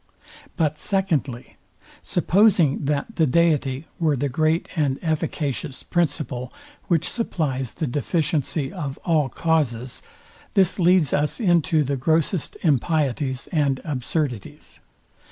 But, secondly, supposing, that the deity were the great and efficacious principle, which supplies the deficiency of all causes, this leads us into the grossest impieties and absurdities.